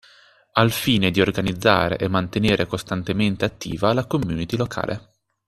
Al fine di organizzare e mantenere costantemente attiva la community locale